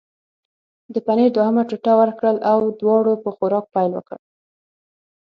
د پنیر دوهمه ټوټه ورکړل او دواړو په خوراک پیل وکړ.